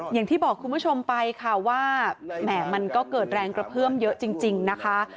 อย่างที่บอกคุณผู้ชมไปค่ะว่าแหม่มันก็เกิดแรงกระเพื่อมเยอะจริงนะคะ